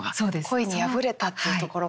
恋にやぶれたっていうところから。